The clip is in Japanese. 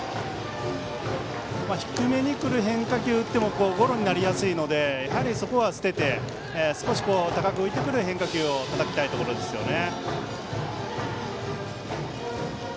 低めに来る変化球を打ってもゴロになりやすいのでそこは捨てて少し高く浮いてくる変化球をたたきたいところですよね。